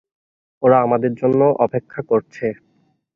ওরা আমাদের জন্য অপেক্ষা করছে।